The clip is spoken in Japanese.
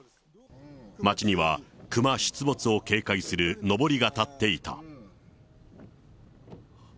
町にはクマ出没を警戒するのぼりが立っていた。